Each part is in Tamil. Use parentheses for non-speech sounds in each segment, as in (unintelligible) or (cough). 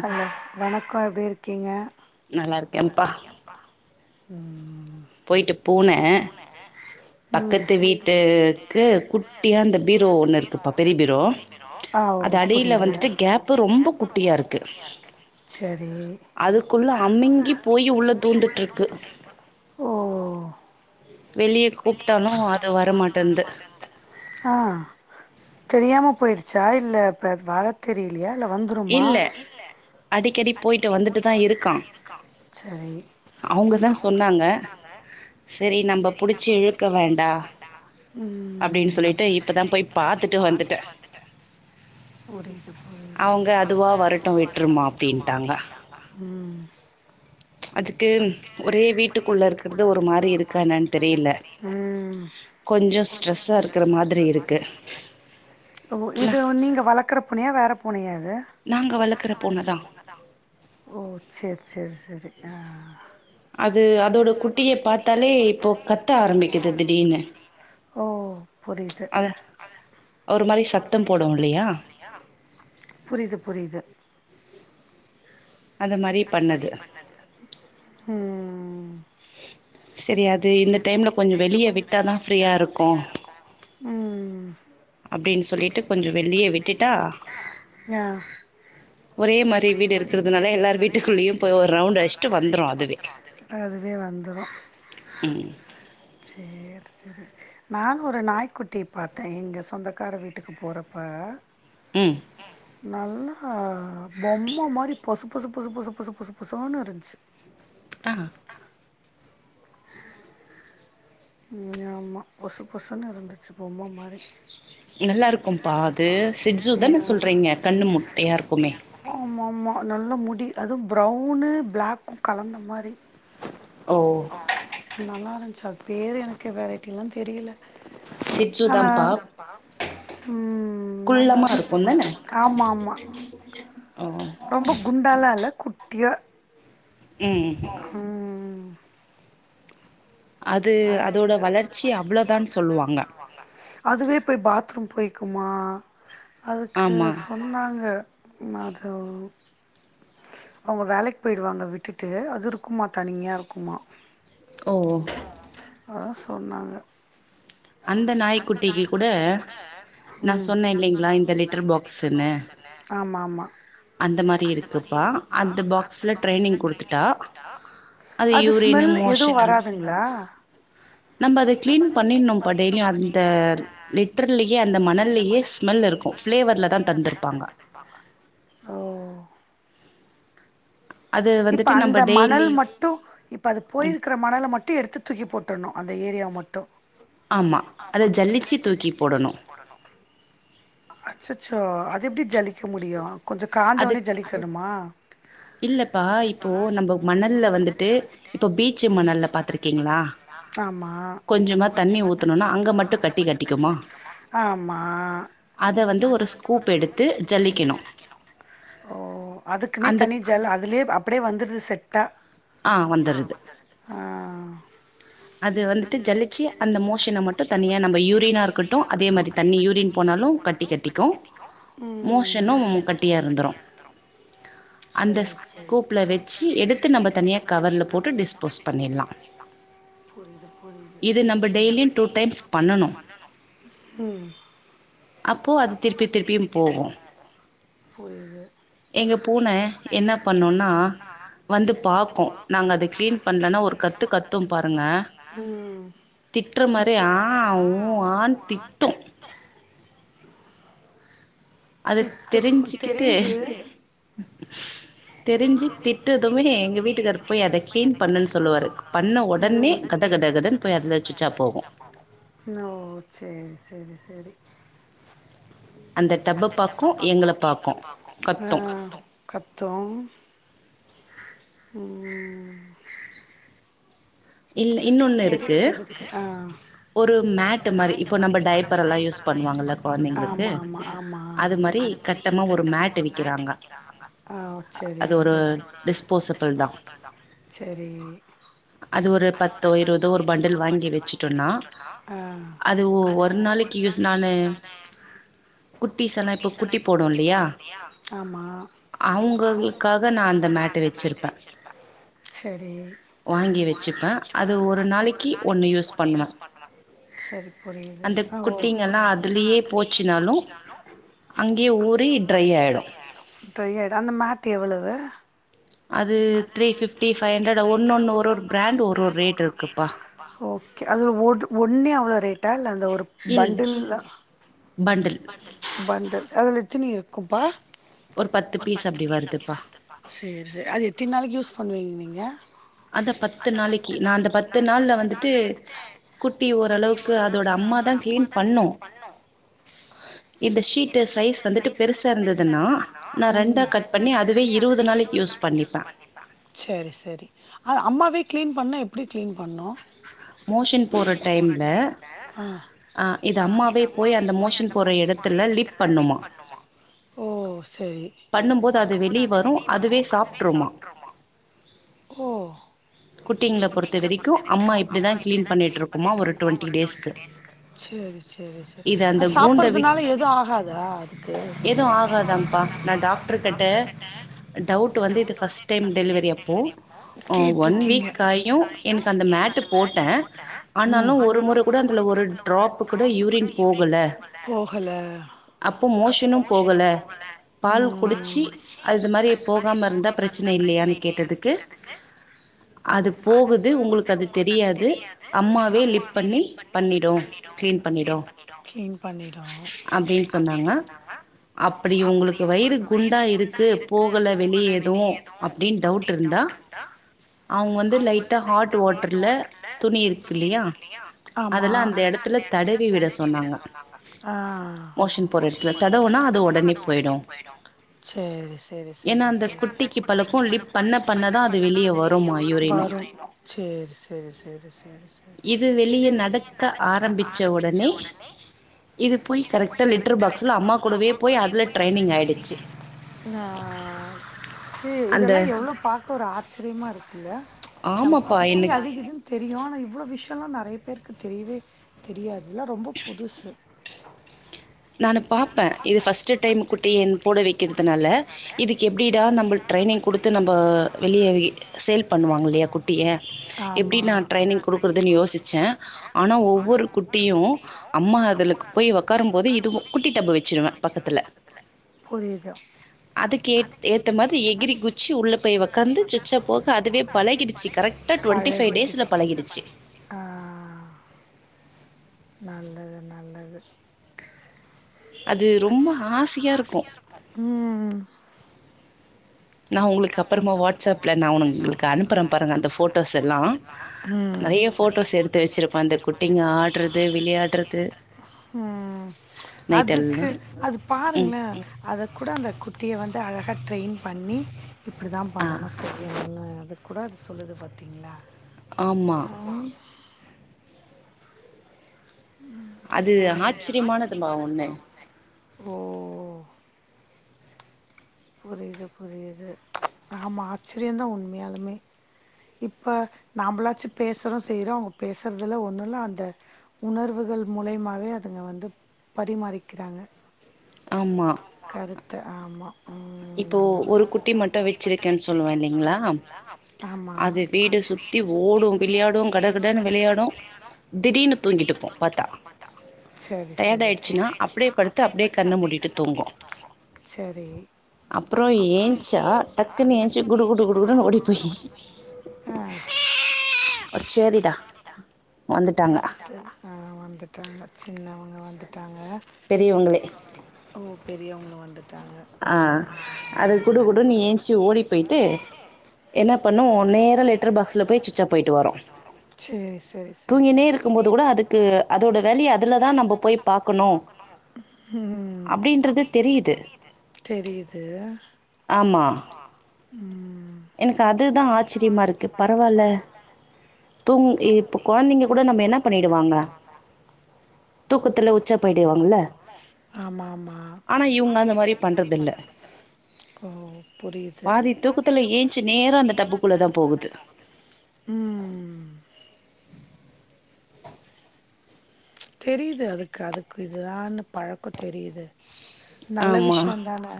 ஹலோ வணக்கம் எப்டி இருக்கீங்க நல்லாருக்கேன்ப்பா ம் போயிட்டு பூனேன் ம் பக்கத்து வீட்டுக்கு குட்டியா அந்த பீரோ ஒண்ணு இருக்குப்பா பெரிய பீரோ ஆ அது ஓ அடியில புரியுது வந்துட்டு கேப்பு ரொம்ப குட்டியாருக்கு சேரி மிங்கி போய் உள்ள தூந்துட்டுருக்கு ஓ வெளியே கூப்ட்டாலு கூப்பிட்டாலும் அது வர வரமாட்டேன்து மாட்டேந்துது ஆ தெரியாம போயிடுச்சா இல்ல இப்ப வர தெரிலையா இல்ல அடிக்கடி போயிட்டு வந்துட்டு தா இருக்கா சரி அவங்கதான் சொன்னாங்க செரி நம்ப புடுச்சு இழுக்க வேண்டாம் அப்டின்னு சொல்லிட்டு இப்போ தான் போய் பாத்துட்டு வந்து (unintelligible) வந்துட்டேன் அவங்க அதுவா வரட்டும் விட்றுமா அப்டிட்டாங்க அது க்கு ஒரே வீட்டுக்குள்ளே இருக்கிறது ஒரு மாதிரி இருக்கா என்னான்னு தெரியல ம் கொஞ்சோ ஸ்ட்ரெஸ்ஸா இருக்கிற மாதிரி இருக்கு ஓ நா இது நீங்க வளர்க்கற பூனையா வேற பூனையா வளர்க்குற நாங்க பூன தா வளர்கறஓ சரி சரி சரி ஆ அது அதோட குட்டியை பார்த்தாலே இப்போது கத்த ஆரம்பிக்குது திடீனு ஓ புரியுது அத ஒரு மாதிரி சத்தம் போடும் இல்லையா புரியுது புரியுது அந்த மாதிரி பண்ணது உம் சரி அது இந்த டைம்ல கொஞ்சம் வெளிய விட்டாதான் ஃபிரீயா இருக்கும் அப்படின்னு சொல்லிட்டு கொஞ்சம் வெளியே விட்டுட்டா ஆ ஒரே மாதிரி வீடு இருக்கிறதுனால எல்லார் வீட்டுக்குள்ளேயும் போய் ஒரு ரவுண்ட் அடிச்சட்டு வந்துரும் அதுவே வந்துரும் ம் சரி சரி சரி நானும் ஒரு நாய்க்குட்டி பார்த்தேன் எங்க சொந்தக்கார வீட்டுக்கு போறப்ப உம் நல்லா பொம்மை மாதிரி பொசு பொசு பொசு பொசு பொசு பொசு பொசுன்னு இருந்துச்சு ஆ ஆம்மா பொசு பொசுன்னு இருந்துச்சு பொம்ம மாதிரி நல்லா இருக்கும் பாது சி்ஜ்ஜுதானே ம் சொல்றீங்க கண்ணு முட்டையா இருக்குமே அப்டி அதுவும் ப்ரௌனு பிளாக்கும் கலந்த மாரி ஓ நல்லா இருந்துச்சு அது பேரு எனக்கு வெரைட்டில்லாம் தெரியல சிச்சு தாம்பா உம் நல்லா இருந்துச்சு தான ஆமா ஆமா ஓ ரொம்ப குண்டாலாம் இல்ல குட்டியா உம் ம் அது அதோட வளர்ச்சி அவ்வளதான் சொல்லுவாங்க அதுவே போய் பாத்ரூம் போய் ஆமா அதுக்கு ஆமா சொன்னாங்க அது அவங்க வேலைக்கு போயிடுவாங்க விட்டுட்டு அது இருக்குமா தனியா இருக்குமா ஓ அதான் சொன்னாங்க அந்த நாய்க்குட்டி கூட நான் நா இல்லைங்களா சொன்னேன் இல்லலைங்களா லிட்டர் இந்த லெட்டர் பாக்ஸுன்னு பாக்ஸ் அந்த மாரி இருக்குபா அந்த பாக்ஸுல ட்ரைனிங் குடுத்துட்டா அது யூரினு வெள்ளே எதுவும் மோஷன் எல்லா வராதுங்களா நம்ம அத கிளீன் பண்ணிருணும்ப்பா டெய்லிய அந்த லெட்டர்லயே அந்த மணல்லயே ஸ்மெல் இருக்கும் பிளேவர்ல தான் தத்துட்டு இருப்பாங்க ஓ அது இப்ப வந்துட்டு நம்ம அந்த மணல் டெய்லியும் மட்டும் இப்ப அது ம் போயிருக்கற மணல மட்டும் எடுத்து தூக்கி போட்டுரணும் அந்த ஏரியா மட்டும் ஆமா அத ஜல்லிச்சு தூக்கி போடணும் அச்சச்சோ அது எப்படி ஜலிக்க முடியும் கொஞ்சம் அது காஞ்சோடனேயே ஜலிக்கணுமா இல்லப்பா இப்போ நம்ப மணல்ல வந்துட்டு இப்போ பீச்சு மணல்ல பாத்திருக்கீங்களா ஆமா கொஞ்சமா தண்ணி ஊத்தணும்னா அங்க மட்டும் கட்டிக்குமா ஆமா அத வந்து ஒரு ஸ்கூப் எடுத்து ஜல்லிக்கணும் ஓ அதுக்குனே அந்த தனி ஜல் அதுலயே அப்டியே வந்துருது செட்டா ஆ வந்துருது ஆமாங்க ஆஹ் அது வந்துட்டு ஜலிச்சு அந்த மோ அந்த மோஷன மட்டு தனியா நம்ம யூரினா இருக்கட்டூ அதே மாரி தண்ணி யூரின் போனாலு கட்டி கட்டிக்கூ மோஷனும் கட்டியா இருந்துரூ அந்த ஸ்கூப்ல வெச்சு எடுத்து நம்ம தனியா கவர்ல போட்டு டிஸ்போஸ் பண்ணிர்லா புரியுது புரியுது இது ம் நம்ம டெய்லியு டூ டைம்ஸ் பண்ணணூ ம் அப்போ அது திருப்பி திருப்பியூ போகூ புரியது எங்க பூன என்ன பண்ணூன்னா வந்து பாக்கூ நாங்க அத க்ளீன் பண்லனா ஒர்க் கத்து கத்தும் பாருங்க ம் திட் ற மாரி ஆ ஊ ஆன் திட்டூ அது திட்டு தெரிஞ்சிக்கிட்டு தெரியுது தெரிஞ்சு திட்டதுமே எங்க வீட்டுக்கார் போய் அத க்ளீன் பண்ணுன் சொல்லுவாரு பண்ண ஒடனே ம் கட கட கடன் போய் அதுல சுச்சா போகூ னோ சேரி செரி செரி டப்பை அந்த டப்ப பார்க்கும் பாக்கூ எங்களை எங்கள பார்க்கும் பாக்கூ கத்தும் கத்தூ ம் இல இன்னொன்னுருக்கு தெரியுது அதுக்கு ஆ ஒரு மேட்டு மாரி இப்ப நம்ம டயப்பர் எல்லா யூஸ் பண்ணுவாங்கல்ல கொழந்தைங்களுக்கு ஆமா ஆமா ஆமா அது மாரி கட்டமா ஒரு மேட்டு விக்கிறாங்க ஆ அது செரி ஒரு டிஸ்போசிபிள் தா செரி அது ஒரு பத்தோ இருவதோ ஒரு பண்டில் வாங்கி வச்சுட்டோன்னா ஆ அது ஒ ஒரு நாளைக்கி யூஸ் நானு ம் குட்டீஸெல்லா இப்ப குட்டி போடூ இல்லியா அவங்களுக்காக நான் அவுங்குளுக்காக நா மேட்டு அந்த மேட் வச்சுருப்பேன் வெச்சிருப்பே வாங்கி வெக் வச்சுப்பே அது ஒரு நாளிக்கி ஒன்னு யூஸ் பண்ணுவே அது குட்டிங் வெளியே போச்சினாலூ ட்ரை ஆயிடூ அந்த மேட் எவ்ளவு அது த்ரீ ஃபிஃப்டி ஃபை ஹண்ட்ரட் ஒன்னொன் ஒரு ஒரு ப்ராண்ட் ஒரு ஒரு ரேட் இருக்குப்பா ஓகே அது ஒட் ஒன்னே அவ்ள ரேட்டா இல்ல அந்த ஒரு இல் பண்டில்லா பண்டில் பண்டில் அதுல ஒரு பத்து பீஸ் அப்டி வருது பா யூஸ் பண்வீங்க நீங்க அத பத்து நாளைக்கி நா அந்த பத்து நாள்ல வந்துட்டு குட்டி ஓரளவுக்கு அதோட அம்மாதா க்ளீன் பண்ணூ இது ஷீட்டு சைஸ் வந்துட்டு பெருசா இருந்ததுன்னா நா ரெண்டா கட் பண்ணி அதுவே இருவது நாளைக்கு யூஸ் பண்ணிப்பே செரி சரி அ அம்மாவே க்ளீன் பண்ணா எப்டி க்ளீன் பண்ணூ மோஷன் போற டைம்ல ஆ ஆ இது அம்மாவே போய் அந்த மோஷன் போற எடத் போற எடத்துல லிப் பண்ணுமா ஓ செரி பண்ணும் போது அது வெளிய வரூ அதுவே சாப்ட்ருமா குட்டிங்ள பொறுத்த வரைக்கூ அம்மா இப் ப்டி தா க்ளீன் பண்ணிட்டுருக்குமா ஒரு டொண்டி டேஸ்கு சரி சரி சரி இது அந்த அது கூண்ட விட் சாப்பிட்றதுனால எதுவும் ஆகாதா அதுக்கு எதூ ஆகாதாம்ப்பா நா டாக்டர் கிட்ட டவுட் வந்து இது ஃபஸ்ட் டைம் டெலிவரி அப்போ ஆ ஒன் கேட்டிருக்கீங்க வீக் ஆயு எனக்கு அந்த மேட்டுப் போட்டே ம் ஆனாலு ஒரு முற கூட அதுல ஒரு ட்ராப்புக் கூட யூரின் போகல போகல அப்போ மோஷனு போகல பால் ம் குடிச்சி ம் அது மாரி போகாமருந்தா ப்ரச்ன இல்லையான்னு கேட்டதுக்கு அது போகுது உங்களுக்கு அது தெரியாது அம்மாவே லிப் பண்ணி பண்ணிடு கிளீன் பண்ணிடு அப்டின் சொன்னாங்க அப்டி ஒங்களுக்கு வயிறு குண்டா இருக்கு போகல வெளிய எதூ அப்டின் டவுட் இருந்தா அவுங்க வந்து லைட்டா ஹாட் வாட் ட்ருல்ல துணி இருக்கு இல்லியா அதுல ஆமாம் அந்த எடத்துல தடவி விட சொன்னாங்க மோஷன் போற எடத்துல தடவுனா அது ஒடனே போய்டு ஏன்னா அந்த குட்டிக்கு பலக்கு லிப் பண்ண பண்ணதா அது வெளிய வரு (unintelligible) இத வெளிய நடக்க ஆரம்பிச்ச ஒடனே இது போய் கரெக்டா லிட்டர் பாக்ஸ்ல அம்மா கூடவே போய் அதுல ட்ரெய்னிங் ஆய்டுச்சு ஆ இ இதல்லா எவளோ பாக்க ஒரு ஆச்சரியமா இருக்குல்ல நம்ம ஆமாப்பா. குட்டி எனக்கு அதிகிதுன் தெரியு ஆனா இவ்ளோ விஷ் இதல்லா நெறைய பேருக்கு தெரியவே தெரியாதுல்ல ரொம்ப புதுசு நானு பாப்பே இது ஃபஸ்ட்டு டைம் குட்டி என் போட வைக்கறதுனால இதுக்கு புதுசு எப்டிடா நம்பள் ட்ரைனிங் குடுத்து நம்ப வெளிய வி சேல் பண்ணுவாங்க இல்லயா குட்டிய எப்டி ஆமா நா ட்ரைனிங் குடு குடுக்கறதுன் யோசுச்சே ஆனா ஒவ்வொரு குட்டியு அம்மா அதுலக் போய் ஒக்காரும் போது இதுவு குட்டி டப்பு வச்சுருவே பக்கத்துல புரிது அதுக்கு ஏத் ஏத்த மாரி எகிரி குச்சு உள்ள போய் ஒக்காந்து சுச்சா போக அதுவே பழகிடிச்சு கர பழகிடுச்சு கரக்டா டொன்டி ஃபைவ் டேஸ்ல பழகிடுச்சு (inaudible) நல்லது நல்லது அது ரொம்ப ஆசயா இருக்கு நா ஒங்களுக்கு அப்பறமா வாட்ஸ்அப்ல நா ஒங்களுக்கு அனுப்புறே பாருங்க அந்த போட்டோஸ் எல்லா நெறைய நெறைய போட்டோஸ் எடுத்து வச்சுருப்பே அந்த குட்டிங்க ஆடுறது ஆட்றது விளையாடுறது விளையாட்றது அதுக்கு நைட்டெல்லாம் அது ம் பாருங்களே அத கூட அந்த குட்டிய வந்து அழ (unintelligible) ட்ரெயின் பண்ணி இப்டி தா ஆ பண்ணணு செய்யணுனு அது கூட அது சொல்லுது பாத்தீங்களா ஆமா அது ஆச்சரியமானதுமா ஆச்சிரியமானதுபா ஒன்று அவுங்க வந்து புரிது புரிது ஆமா ஆச்சிரியந் தா உண்மையாலுமே இப்ப நாமளாச்சு பேசுறோ செய்றோ அவுங்க பேசுறதுல ஒண்ணுல்ல அந்த உணர்வு கள் மூலியமாவே அதுங்க வந்து பரிமாறிக்கிறாங்க கருத்து ஆமா ஹ ம் இப்போ நல்லது. ஒரு குட்டி மட்டு வச்சிருக்கேனு சொல்லுவே இல்லேங்ளா ஆமா அது வீடு சுத்தி ஓடு விளையாடு கட கடன்னு விளையாடு திடீர்னு தூங்கிடுக்கு பாத்தா சரி டயட் சரி ஆய்டுச்சுனா அப்டியே படுத்து அப்டியே கண்ண மூடிடு கண்ண மூடிட்டு தூங்கு அப்பறோ ஏஞ்ச்சா டக்குன்னு ஏன்ச்சு குடு குடு குடு குடுன்னு ஓடி போயி ஆ (unintelligible) வந்துட்டாங்க ஆ வந்துட்டாங்க சின்னவ பெரியவங்களே ஓ பெரியவங்கள வந்து ஆ அது குடு ம். குடுனு ஏன்ச்சு ஓடி போய்ட்டு என்ன பண்ணு நேரா லெட்டர் பாக்ஸ்ல போய் சுச்சா போய்ட்டு வரு சரி, சரி, சரி. தூங்கினே இருக்கும் போது கூட அதுக்கு அதோட வேலய அதுலதா நம்ப போய் பாக்கணு ம் அப்டின்றது தெரிது ஆமாம் ஆமா எனக்கு அதுதா ஆச்சிரியமா இருக்கு பரவால தூங் இப்ப கொழந்தைங்க கூட நம்ம என்ன பண்ணிடுவாங்க தூக்கத்தில் உச்சா ஆமா ஆமா ஆனா இவங்க அந்த மாரி பண்றது இல்ல ஓ! புரியுது. பாதித் தூக்கு ல ஏஞ்சு நேரம் அந்த டப்புுக்குள்ள தான் போகுது ம். தெரியுது அதுக்கு அதுக்கு இதுதான்னு பழக்கம் தெரியுது நல்ல ஆமா விஷயம் தானே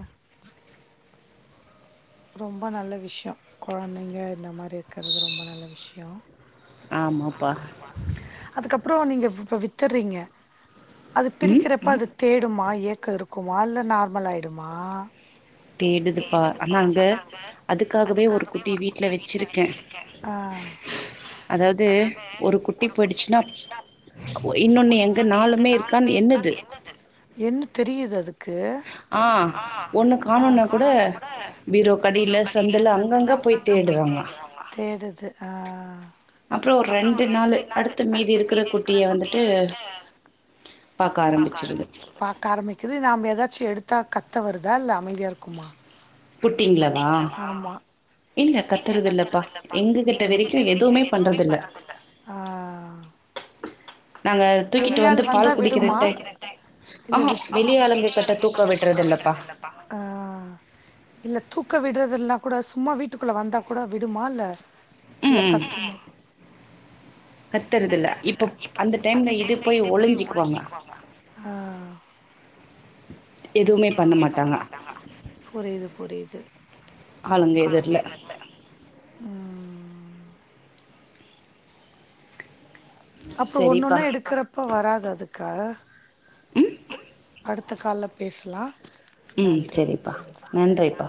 ரொம்ப நல்ல விஷயம் குழந்தைங்க இந்த மாதிரி இருக்கிறது ரொம்ப நல்ல விஷயம் ஆமாப்பா ஆமாா அதுக்கப்புறம் நீங்க இப்ப வித்துடுறீங்க அது ம் பிரிக்கிறப்ப அது தேடுமா இயக்க இருக்குமா இல்ல நார்மல் ஆயிடுமா ஆனா தேடுதுப்பா அங்க அதல்லாங்க அதுக்காகவே ஒரு குட்டி வீட்டுல வச்சிருக்கே ஆ அதாவது ஒரு குட்டி போயிடுச்சுன்னா இன்னொன்னு எங்க நளுுமே இருக்கான் என்னது என்ன தெரியுது அதுக்கு ஆ ஒண்ணு காணும்ன ஆன கூட பீரோ கடியில சந்தல அங்கங்க போய் தேடுறாங்க அப்புறம் ஒரு ரெண்டு நாள் அடுத்த மீதி இருக்கிற குட்டிய வந்துட்டு பாக்க ஆரம்பிச்சிருது பாக்க ஆரம்பிக்குது நாம ஏதாச்ச எடுத்தா கத்த வருதா இல்ல அமைதியா இருக்குமா புட்டிங்களவா இல்ல கத்துறது இல்லப்பா எங்ககிட்ட விரக்க எதுவுமே பண்றதில்ல நாங்க தூக்கிட்டு வந்து பால் விடுமா குடிக்கிறட்ட இல்ல ஆமா விட் வெளி ஆளுங்க கட்ட தூக்க விட்றது இல்லை ஆ இல்லத் தூக் குக்க விடுறதுனா கூட சும்மா வீட்டுக்குள்ள வந்தா கூட விடுமா இல்ல இல்ல கத்துமா கத்துறதுல இப்ப அந்த டைம்ல இது போய் ஒளிிஞ்சிக்குவாங்க எதுவுமே பண்ண மாட்டாங்க புரியுது புரியுது ஆளுங்க எதுர்ல ம் அப்புறம் சரிப்பா ஒண்ணுன்னா எடுக்கறப்ப வராது அதுக்கா அடுத்த கால்ல பேசலா ம் நன்றி சரிப்பா நன்றிப்பா